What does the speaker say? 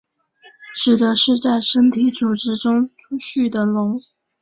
指的是在身体组织中蓄积的脓。